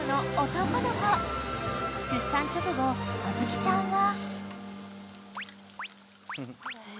［出産直後小豆ちゃんは］